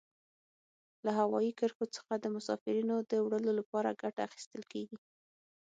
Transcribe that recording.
له هوایي کرښو څخه د مسافرینو د وړلو لپاره ګټه اخیستل کیږي.